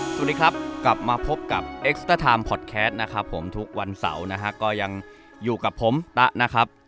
สวัสดีครับกลับมาพบกับเอ็กซ์เตอร์ไทม์พอดแคสนะครับผมทุกวันเสาร์นะฮะก็ยังอยู่กับผมตะนะครับ